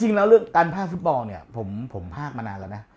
จริงแล้วเรื่องการพากย์ฟลุปลอล์เนี่ยผมพากมานานแล้วนะ